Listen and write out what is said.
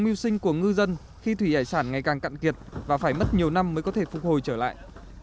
mưu sinh của ngư dân khi thủy hải sản ngày càng cạn kiệt và phải mất nhiều năm mới có thể phục hồi trở lại